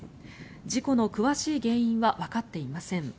事故の詳しい原因はわかっていません。